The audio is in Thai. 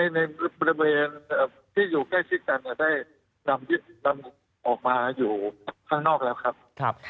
ในบริเวณที่อยู่ใกล้ชิดกันได้นำออกมาอยู่ข้างนอกแล้วครับ